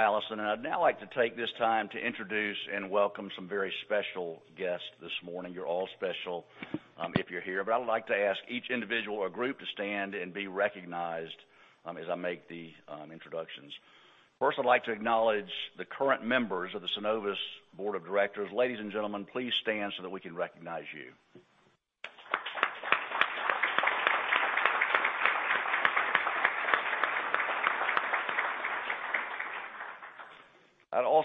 Allison. I'd now like to take this time to introduce and welcome some very special guests this morning. You're all special if you're here. I would like to ask each individual or group to stand and be recognized as I make the introductions. First, I'd like to acknowledge the current members of the Synovus Board of Directors. Ladies and gentlemen, please stand so that we can recognize you.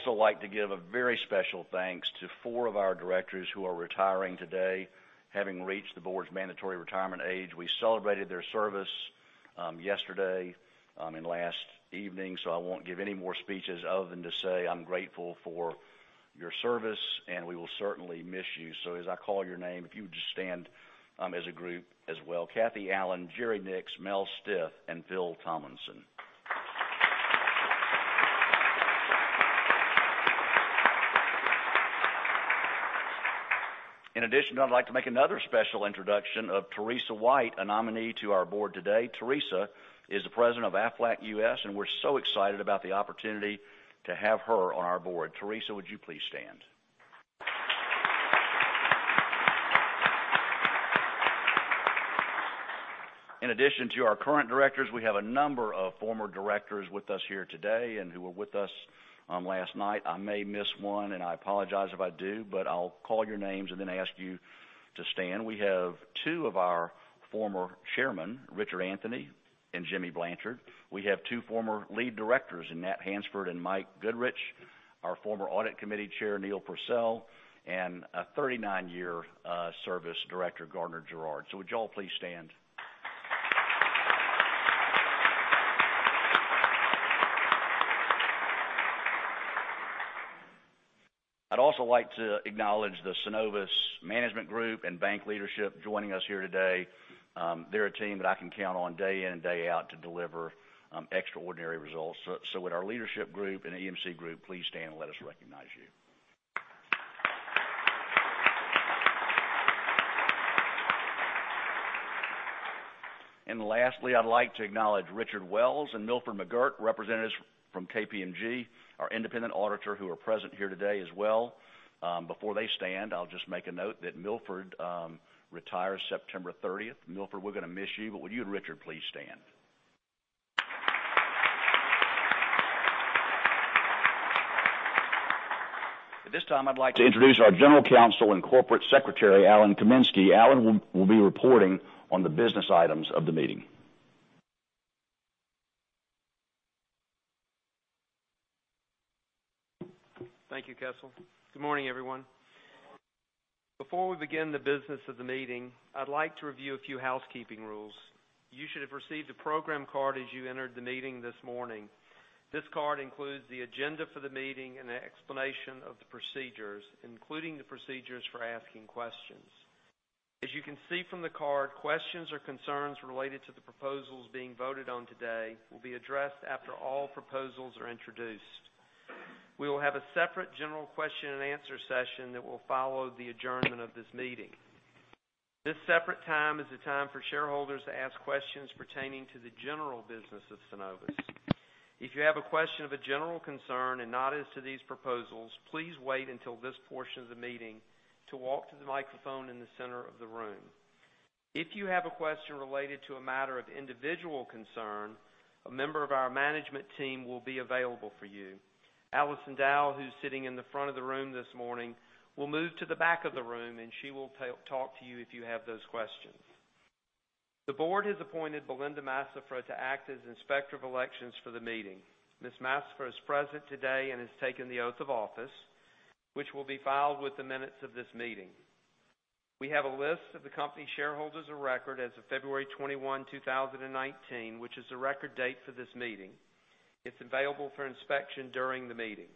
I'd also like to give a very special thanks to four of our directors who are retiring today, having reached the board's mandatory retirement age. We celebrated their service yesterday and last evening, so I won't give any more speeches other than to say I'm grateful for your service, and we will certainly miss you. As I call your name, if you would just stand as a group as well. Kathy Allen, Jerry Nix, Mel Stith, and Phil Tomlinson. I'd like to make another special introduction of Teresa White, a nominee to our board today. Teresa is the president of Aflac U.S., and we're so excited about the opportunity to have her on our board. Teresa, would you please stand? To our current directors, we have a number of former directors with us here today and who were with us last night. I may miss one, and I apologize if I do, but I'll call your names and then ask you to stand. We have two of our former chairmen, Richard Anthony and Jimmy Blanchard. We have two former lead directors in Nat Hansford and Mike Goodrich, our former audit committee chair, Neil Purcell, and a 39-year service director, Gardner Giraud. Would you all please stand? I'd also like to acknowledge the Synovus management group and bank leadership joining us here today. They're a team that I can count on day in and day out to deliver extraordinary results. Would our leadership group and EMC group please stand and let us recognize you? Lastly, I'd like to acknowledge Richard Wells and Milford McGirt, representatives from KPMG, our independent auditor, who are present here today as well. Before they stand, I'll just make a note that Milford retires September 30th. Milford, we're going to miss you, but would you and Richard please stand? At this time, I'd like to introduce our General Counsel and Corporate Secretary, Allan Kamensky. Alan will be reporting on the business items of the meeting. Thank you, Kessel. Good morning, everyone. Good morning. Before we begin the business of the meeting, I'd like to review a few housekeeping rules. You should have received a program card as you entered the meeting this morning. This card includes the agenda for the meeting and an explanation of the procedures, including the procedures for asking questions. As you can see from the card, questions or concerns related to the proposals being voted on today will be addressed after all proposals are introduced. We will have a separate general question and answer session that will follow the adjournment of this meeting. This separate time is a time for shareholders to ask questions pertaining to the general business of Synovus. If you have a question of a general concern and not as to these proposals, please wait until this portion of the meeting to walk to the microphone in the center of the room. If you have a question related to a matter of individual concern, a member of our management team will be available for you. Allison Dukes, who's sitting in the front of the room this morning, will move to the back of the room, and she will talk to you if you have those questions. The board has appointed Belinda Massafra to act as Inspector of Elections for the meeting. Ms. Massafra is present today and has taken the oath of office, which will be filed with the minutes of this meeting. We have a list of the company shareholders of record as of February 21, 2019, which is the record date for this meeting. It's available for inspection during the meeting.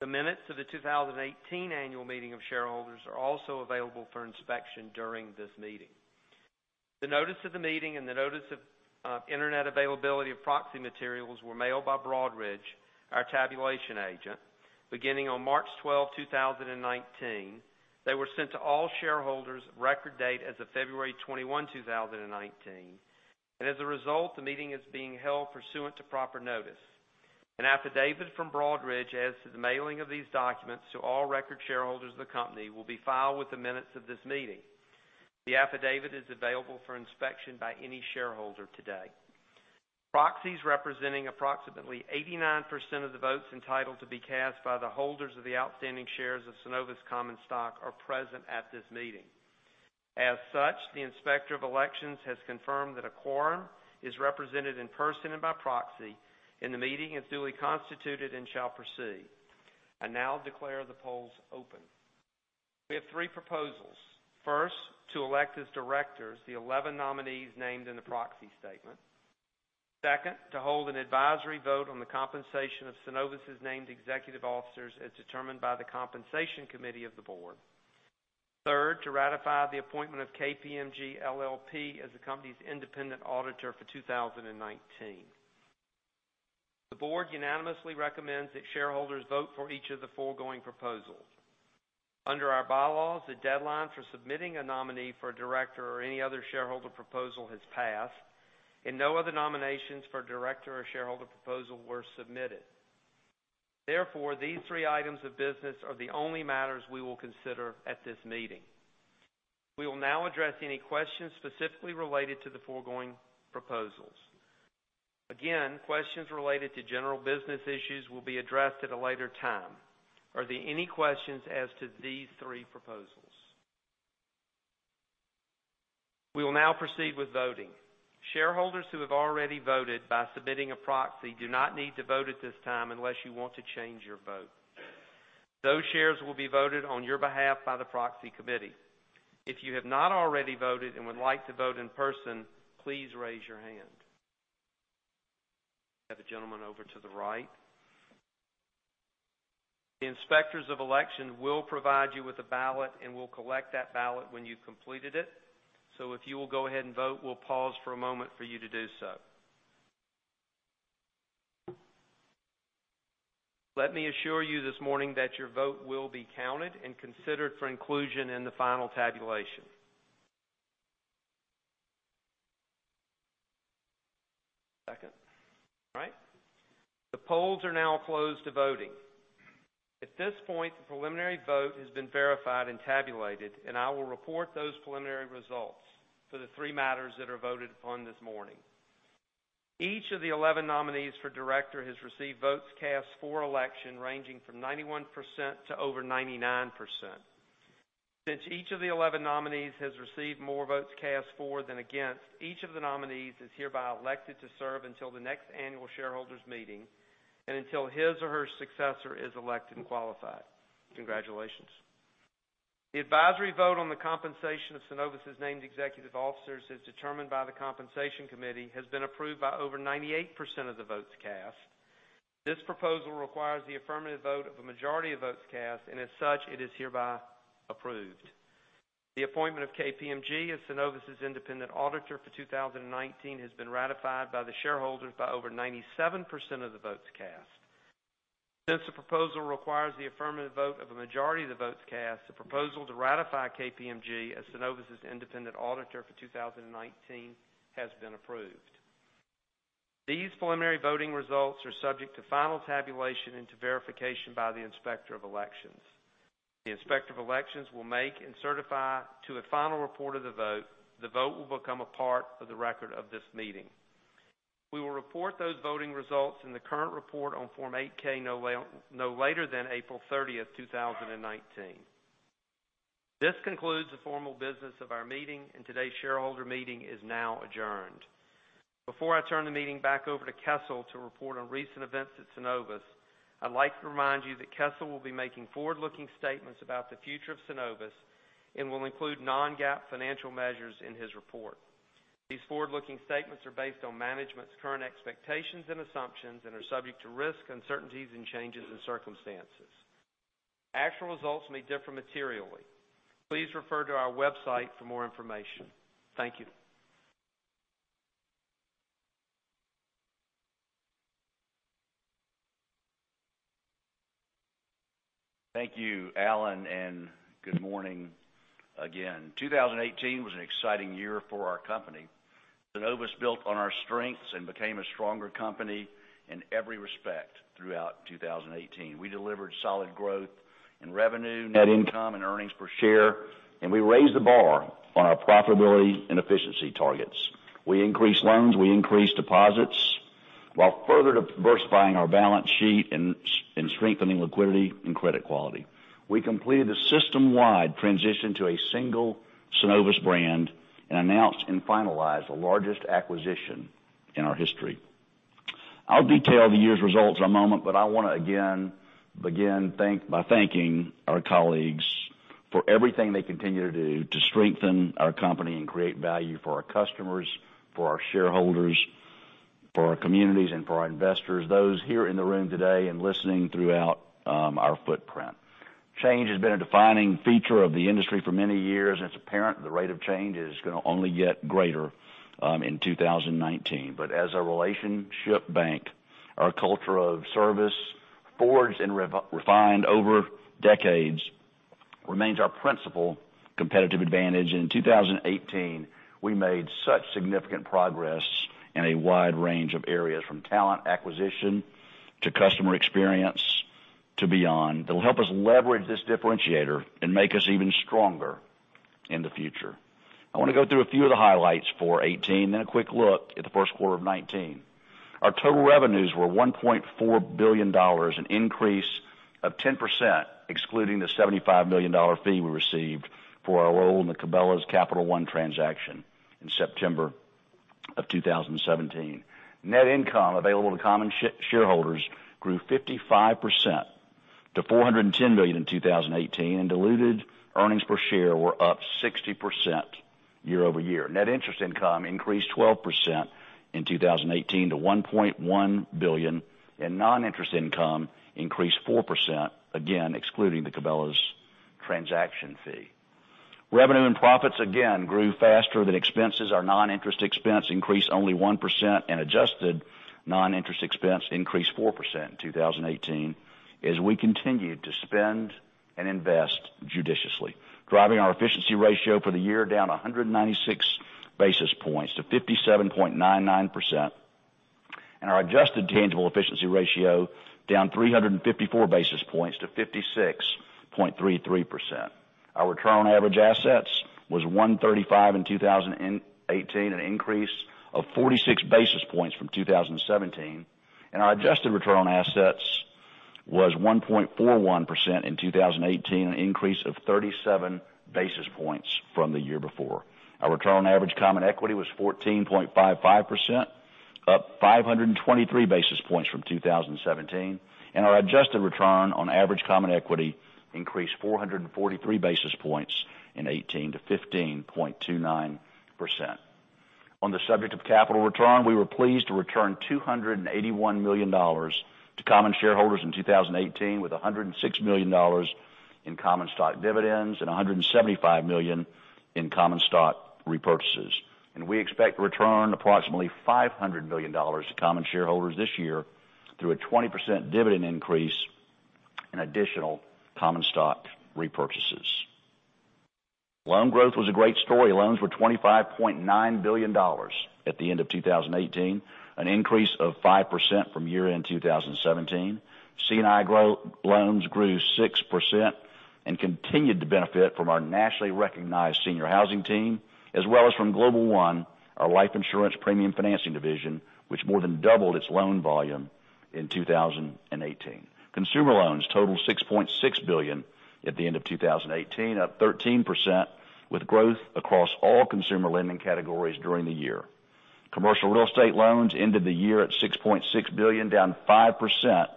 The minutes of the 2018 annual meeting of shareholders are also available for inspection during this meeting. The notice of the meeting and the notice of internet availability of proxy materials were mailed by Broadridge, our tabulation agent, beginning on March 12, 2019. As a result, the meeting is being held pursuant to proper notice. An affidavit from Broadridge as to the mailing of these documents to all record shareholders of the company will be filed with the minutes of this meeting. The affidavit is available for inspection by any shareholder today. Proxies representing approximately 89% of the votes entitled to be cast by the holders of the outstanding shares of Synovus common stock are present at this meeting. As such, the Inspector of Elections has confirmed that a quorum is represented in person and by proxy, and the meeting is duly constituted and shall proceed. I now declare the polls open. We have three proposals. First, to elect as directors the 11 nominees named in the proxy statement. Second, to hold an advisory vote on the compensation of Synovus's named executive officers as determined by the Compensation Committee of the board. Third, to ratify the appointment of KPMG LLP as the company's independent auditor for 2019. The board unanimously recommends that shareholders vote for each of the foregoing proposals. Under our bylaws, the deadline for submitting a nominee for a director or any other shareholder proposal has passed, and no other nominations for director or shareholder proposal were submitted. Therefore, these three items of business are the only matters we will consider at this meeting. We will now address any questions specifically related to the foregoing proposals. Again, questions related to general business issues will be addressed at a later time. Are there any questions as to these three proposals? We will now proceed with voting. Shareholders who have already voted by submitting a proxy do not need to vote at this time unless you want to change your vote. Those shares will be voted on your behalf by the proxy committee. If you have not already voted and would like to vote in person, please raise your hand. I have a gentleman over to the right. The Inspectors of Election will provide you with a ballot and will collect that ballot when you've completed it. If you will go ahead and vote, we'll pause for a moment for you to do so. Let me assure you this morning that your vote will be counted and considered for inclusion in the final tabulation. Second. All right. The polls are now closed to voting. At this point, the preliminary vote has been verified and tabulated, and I will report those preliminary results for the three matters that are voted upon this morning. Each of the 11 nominees for director has received votes cast for election ranging from 91% to over 99%. Since each of the 11 nominees has received more votes cast for than against, each of the nominees is hereby elected to serve until the next annual shareholders meeting and until his or her successor is elected and qualified. Congratulations. The advisory vote on the compensation of Synovus' named executive officers, as determined by the Compensation Committee, has been approved by over 98% of the votes cast. This proposal requires the affirmative vote of a majority of votes cast, and as such, it is hereby approved. The appointment of KPMG as Synovus' independent auditor for 2019 has been ratified by the shareholders by over 97% of the votes cast. Since the proposal requires the affirmative vote of a majority of the votes cast, the proposal to ratify KPMG as Synovus' independent auditor for 2019 has been approved. These preliminary voting results are subject to final tabulation and to verification by the Inspector of Elections. The Inspector of Elections will make and certify to a final report of the vote. The vote will become a part of the record of this meeting. We will report those voting results in the current report on Form 8-K, no later than April 30, 2019. This concludes the formal business of our meeting, and today's shareholder meeting is now adjourned. Before I turn the meeting back over to Kessel to report on recent events at Synovus, I'd like to remind you that Kessel will be making forward-looking statements about the future of Synovus and will include non-GAAP financial measures in his report. These forward-looking statements are based on management's current expectations and assumptions and are subject to risks, uncertainties and changes in circumstances. Actual results may differ materially. Please refer to our website for more information. Thank you. Thank you, Allan, and good morning again. 2018 was an exciting year for our company. Synovus built on our strengths and became a stronger company in every respect throughout 2018. We delivered solid growth in revenue, net income, and earnings per share, and we raised the bar on our profitability and efficiency targets. We increased loans, we increased deposits, while further diversifying our balance sheet and strengthening liquidity and credit quality. We completed a system-wide transition to a single Synovus brand and announced and finalized the largest acquisition in our history. I'll detail the year's results in a moment, but I want to again begin by thanking our colleagues for everything they continue to do to strengthen our company and create value for our customers, for our shareholders, for our communities, and for our investors, those here in the room today and listening throughout our footprint. Change has been a defining feature of the industry for many years, it's apparent the rate of change is going to only get greater in 2019. As a relationship bank, our culture of service, forged and refined over decades, remains our principal competitive advantage. In 2018, we made such significant progress in a wide range of areas, from talent acquisition to customer experience to beyond, that will help us leverage this differentiator and make us even stronger in the future. I want to go through a few of the highlights for 2018, then a quick look at the first quarter of 2019. Our total revenues were $1.4 billion, an increase of 10%, excluding the $75 million fee we received for our role in the Cabela's/Capital One transaction in September of 2017. Net income available to common shareholders grew 55% to $410 million in 2018, diluted earnings per share were up 60% year-over-year. Net interest income increased 12% in 2018 to $1.1 billion, non-interest income increased 4%, again, excluding the Cabela's transaction fee. Revenue and profits, again, grew faster than expenses. Our non-interest expense increased only 1%, adjusted non-interest expense increased 4% in 2018 as we continued to spend and invest judiciously, driving our efficiency ratio for the year down 196 basis points to 57.99%. Our adjusted tangible efficiency ratio down 354 basis points to 56.33%. Our return on average assets was 135 in 2018, an increase of 46 basis points from 2017. Our adjusted return on assets was 1.41% in 2018, an increase of 37 basis points from the year before. Our return on average common equity was 14.55%, up 523 basis points from 2017. Our adjusted return on average common equity increased 443 basis points in 2018 to 15.29%. On the subject of capital return, we were pleased to return $281 million to common shareholders in 2018, with $106 million in common stock dividends and $175 million in common stock repurchases. We expect to return approximately $500 million to common shareholders this year through a 20% dividend increase and additional common stock repurchases. Loan growth was a great story. Loans were $25.9 billion at the end of 2018, an increase of 5% from year-end 2017. C&I loans grew 6% and continued to benefit from our nationally recognized senior housing team as well as from Global One, our life insurance premium financing division, which more than doubled its loan volume in 2018. Consumer loans totaled $6.6 billion at the end of 2018, up 13%, with growth across all consumer lending categories during the year. Commercial real estate loans ended the year at $6.6 billion, down 5%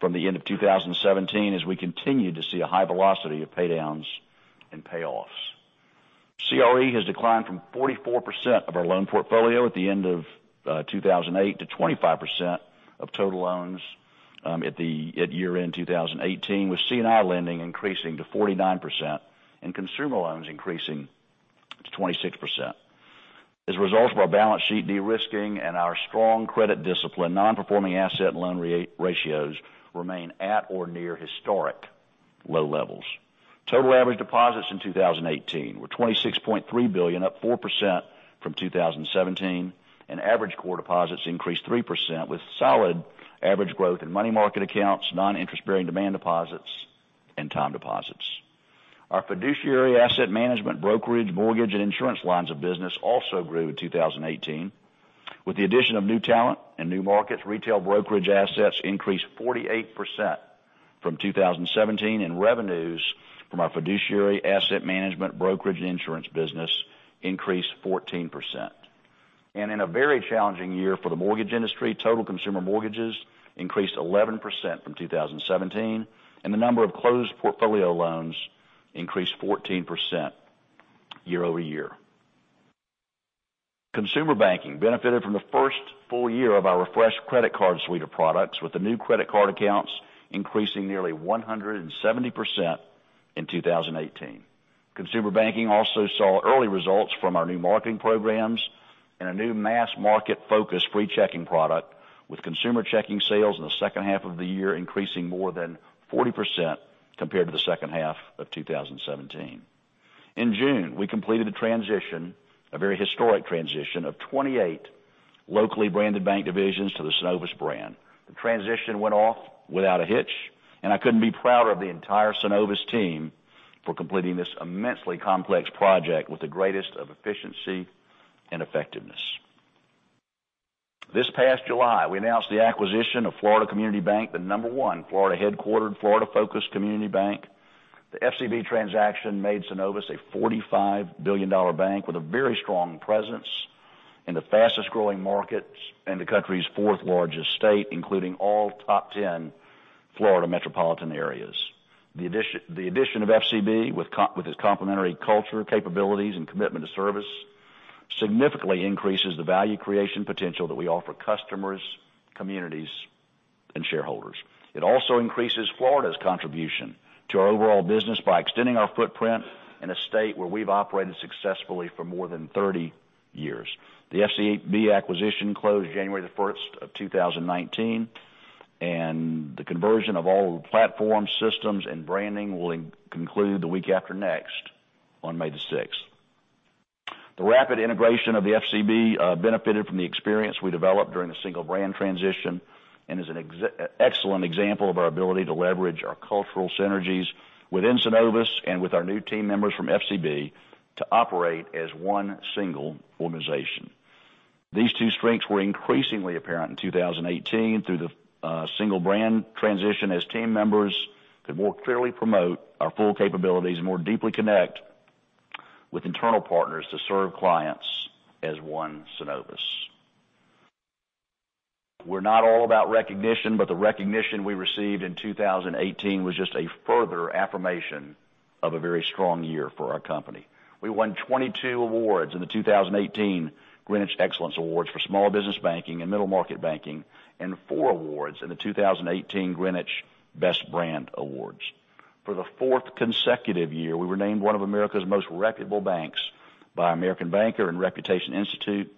from the end of 2017, as we continue to see a high velocity of paydowns and payoffs. CRE has declined from 44% of our loan portfolio at the end of 2008 to 25% of total loans at year-end 2018, with C&I lending increasing to 49% and consumer loans increasing to 26%. As a result of our balance sheet de-risking and our strong credit discipline, non-performing asset loan ratios remain at or near historic low levels. Total average deposits in 2018 were $26.3 billion, up 4% from 2017, and average core deposits increased 3%, with solid average growth in money market accounts, non-interest-bearing demand deposits, and time deposits. Our fiduciary asset management, brokerage, mortgage, and insurance lines of business also grew in 2018. With the addition of new talent and new markets, retail brokerage assets increased 48% from 2017, and revenues from our fiduciary asset management, brokerage, and insurance business increased 14%. In a very challenging year for the mortgage industry, total consumer mortgages increased 11% from 2017, and the number of closed portfolio loans increased 14% year over year. Consumer banking benefited from the first full year of our refreshed credit card suite of products, with the new credit card accounts increasing nearly 170% in 2018. Consumer banking also saw early results from our new marketing programs and a new mass-market-focused free checking product, with consumer checking sales in the second half of the year increasing more than 40% compared to the second half of 2017. In June, we completed the transition, a very historic transition, of 28 locally branded bank divisions to the Synovus brand. The transition went off without a hitch, and I couldn't be prouder of the entire Synovus team for completing this immensely complex project with the greatest of efficiency and effectiveness. This past July, we announced the acquisition of Florida Community Bank, the number 1 Florida-headquartered, Florida-focused community bank. The FCB transaction made Synovus a $45 billion bank with a very strong presence in the fastest-growing markets in the country's fourth-largest state, including all top 10 Florida metropolitan areas. The addition of FCB, with its complementary culture, capabilities, and commitment to service, significantly increases the value creation potential that we offer customers, communities, and shareholders. It also increases Florida's contribution to our overall business by extending our footprint in a state where we've operated successfully for more than 30 years. The FCB acquisition closed January 1st of 2019, and the conversion of all platform systems and branding will conclude the week after next, on May 6th. The rapid integration of the FCB benefited from the experience we developed during the single brand transition and is an excellent example of our ability to leverage our cultural synergies within Synovus and with our new team members from FCB to operate as one single organization. These two strengths were increasingly apparent in 2018 through the single brand transition as team members could more clearly promote our full capabilities and more deeply connect with internal partners to serve clients as one Synovus. We're not all about recognition, but the recognition we received in 2018 was just a further affirmation of a very strong year for our company. We won 22 awards in the 2018 Greenwich Excellence Awards for small business banking and middle-market banking and four awards in the 2018 Greenwich Best Brand Awards. For the fourth consecutive year, we were named one of America's most reputable banks by American Banker and Reputation Institute,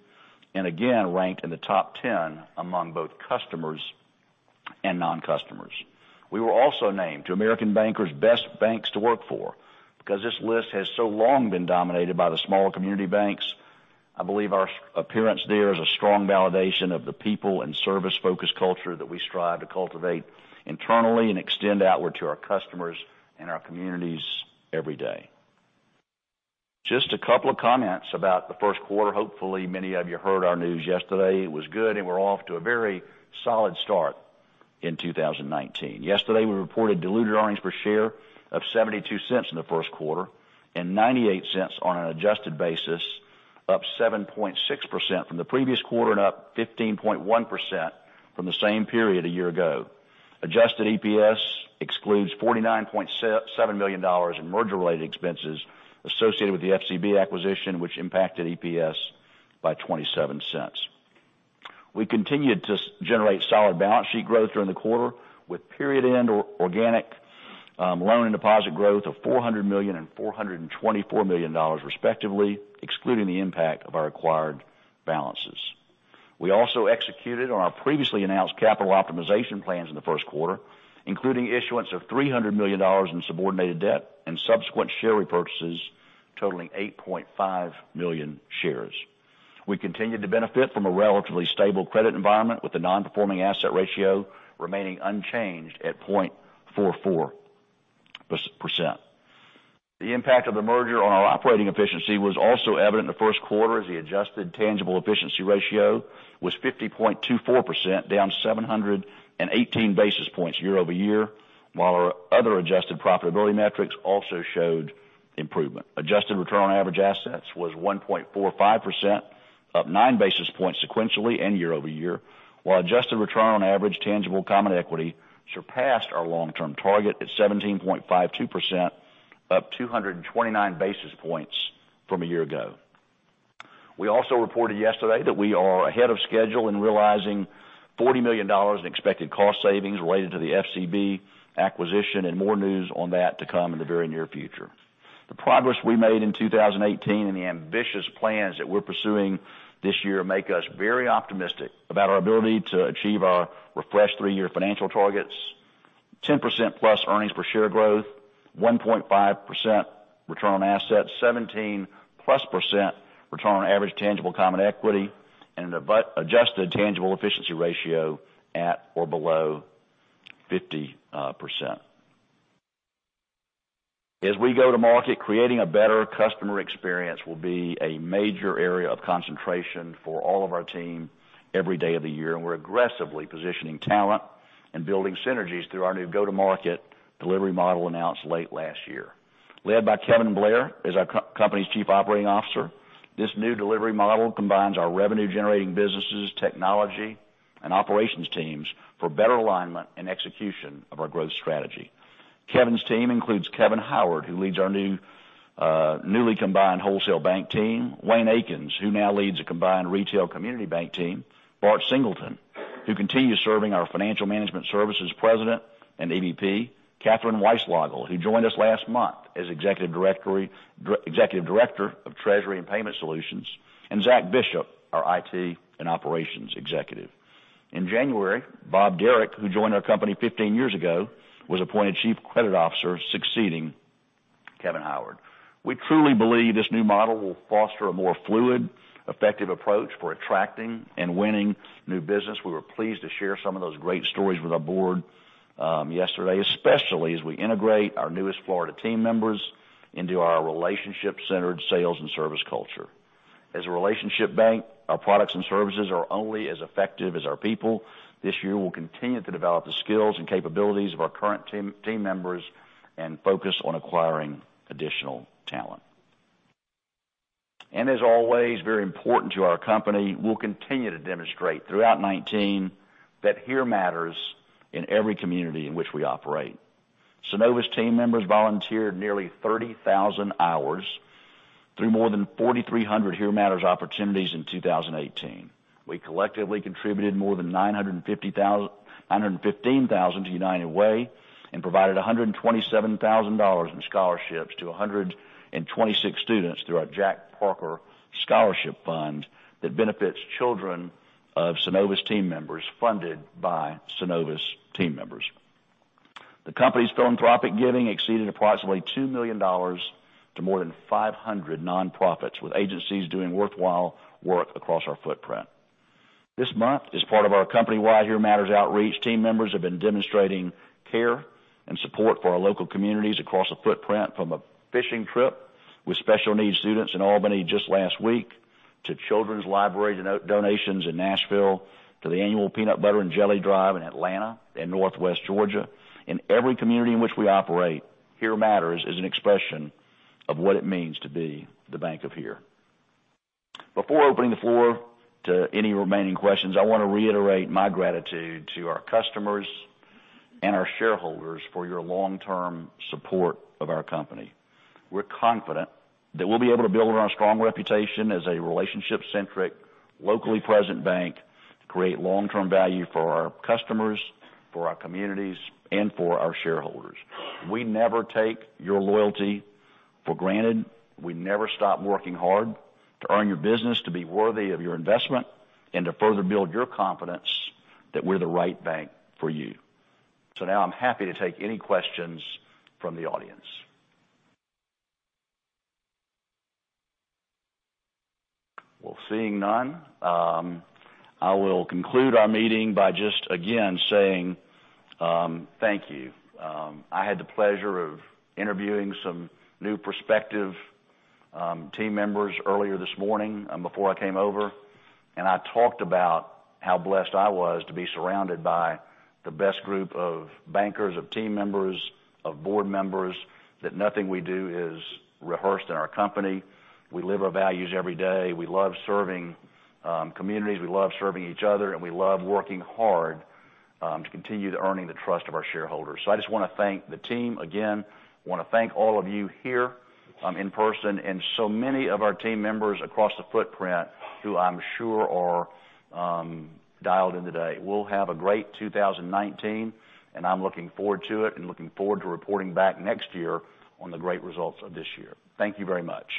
and again, ranked in the top 10 among both customers and non-customers. We were also named to American Banker's Best Banks to Work For. Because this list has so long been dominated by the smaller community banks, I believe our appearance there is a strong validation of the people and service-focused culture that we strive to cultivate internally and extend outward to our customers and our communities every day. Just a couple of comments about the first quarter. Hopefully, many of you heard our news yesterday. It was good, and we're off to a very solid start in 2019. Yesterday, we reported diluted earnings per share of $0.72 in the first quarter, and $0.98 on an adjusted basis, up 7.6% from the previous quarter and up 15.1% from the same period a year ago. Adjusted EPS excludes $49.7 million in merger-related expenses associated with the FCB acquisition, which impacted EPS by $0.27. We continued to generate solid balance sheet growth during the quarter with period-end organic loan and deposit growth of $400 million and $424 million respectively, excluding the impact of our acquired balances. We also executed on our previously announced capital optimization plans in the first quarter, including issuance of $300 million in subordinated debt and subsequent share repurchases totaling 8.5 million shares. We continued to benefit from a relatively stable credit environment with the non-performing asset ratio remaining unchanged at 0.44%. The impact of the merger on our operating efficiency was also evident in the first quarter as the adjusted tangible efficiency ratio was 50.24%, down 718 basis points year-over-year, while our other adjusted profitability metrics also showed improvement. Adjusted return on average assets was 1.45%, up nine basis points sequentially and year-over-year, while adjusted return on average tangible common equity surpassed our long-term target at 17.52%, up 229 basis points from a year ago. We also reported yesterday that we are ahead of schedule in realizing $40 million in expected cost savings related to the FCB acquisition, and more news on that to come in the very near future. The progress we made in 2018 and the ambitious plans that we're pursuing this year make us very optimistic about our ability to achieve our refreshed three-year financial targets, 10%+ EPS growth, 1.5% return on assets, 17%+ return on average tangible common equity, and an adjusted tangible efficiency ratio at or below 50%. As we go to market, creating a better customer experience will be a major area of concentration for all of our team every day of the year, and we're aggressively positioning talent and building synergies through our new go-to-market delivery model announced late last year. Led by Kevin Blair as our company's Chief Operating Officer, this new delivery model combines our revenue-generating businesses, technology, and operations teams for better alignment and execution of our growth strategy. Kevin's team includes Kevin Howard, who leads our newly combined wholesale bank team, Wayne Akins, who now leads a combined retail community bank team, Bart Singleton, who continues serving our Financial Management Services President and EVP, Katherine Weislogel, who joined us last month as Executive Director of Treasury and Payment Solutions, and Zack Bishop, our IT and Operations Executive. In January, Bob Derrick, who joined our company 15 years ago, was appointed Chief Credit Officer, succeeding Kevin Howard. We truly believe this new model will foster a more fluid, effective approach for attracting and winning new business. We were pleased to share some of those great stories with our board yesterday, especially as we integrate our newest Florida team members into our relationship-centered sales and service culture. As a relationship bank, our products and services are only as effective as our people. This year, we'll continue to develop the skills and capabilities of our current team members and focus on acquiring additional talent. As always, very important to our company, we'll continue to demonstrate throughout 2019 that Here Matters in every community in which we operate. Synovus team members volunteered nearly 30,000 hours through more than 4,300 Here Matters opportunities in 2018. We collectively contributed more than $915,000 to United Way and provided $127,000 in scholarships to 126 students through our Jack Parker Scholarship Fund that benefits children of Synovus team members, funded by Synovus team members. The company's philanthropic giving exceeded approximately $2 million to more than 500 nonprofits, with agencies doing worthwhile work across our footprint. This month, as part of our company-wide Here Matters outreach, team members have been demonstrating care and support for our local communities across the footprint, from a fishing trip with special needs students in Albany just last week, to children's library donations in Nashville, to the annual Peanut Butter and Jelly Drive in Atlanta and Northwest Georgia. In every community in which we operate, Here Matters is an expression of what it means to be The Bank of Here. Before opening the floor to any remaining questions, I want to reiterate my gratitude to our customers and our shareholders for your long-term support of our company. We're confident that we'll be able to build on our strong reputation as a relationship-centric, locally present bank to create long-term value for our customers, for our communities, and for our shareholders. We never take your loyalty for granted. We never stop working hard to earn your business, to be worthy of your investment, and to further build your confidence that we're the right bank for you. Now I'm happy to take any questions from the audience. Seeing none, I will conclude our meeting by just, again, saying thank you. I had the pleasure of interviewing some new prospective team members earlier this morning before I came over, and I talked about how blessed I was to be surrounded by the best group of bankers, of team members, of board members, that nothing we do is rehearsed in our company. We live our values every day. We love serving communities, we love serving each other, and we love working hard to continue to earning the trust of our shareholders. I just want to thank the team again, want to thank all of you here in person, and so many of our team members across the footprint who I'm sure are dialed in today. We'll have a great 2019, and I'm looking forward to it and looking forward to reporting back next year on the great results of this year. Thank you very much.